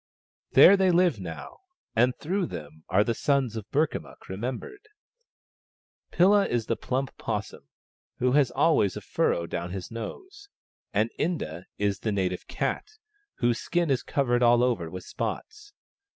There they live now, and through them are the sons of Burkamukk remembered. Pilla is the plump 'possum, who has always a furrow down his nose ; and Inda is the native cat, whose skin is covered all over with spots.